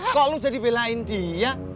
kok lu jadi belain dia